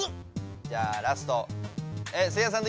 じゃあラストえせいやさん